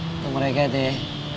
itu mereka tuh ya